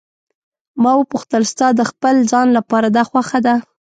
ما وپوښتل: ستا د خپل ځان لپاره دا خوښه ده.